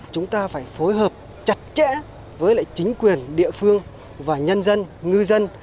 chúng ta phải phối hợp chặt chẽ với chính quyền địa phương và nhân dân ngư dân